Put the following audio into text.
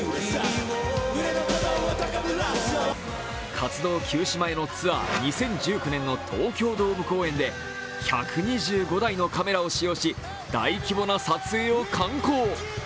活動休止前のツアー、２０１９年の東京ドーム公演で、１２５台のカメラを使用し、大規模な撮影を敢行。